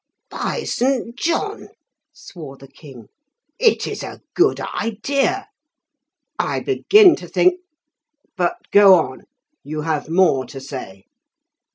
"By St. John!" swore the king, "it is a good idea. I begin to think but go on, you have more to say."